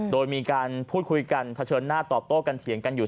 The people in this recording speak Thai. โดยมีการพูดคุยกันเผชิญหน้าตอบโต้กันเถียงกันอยู่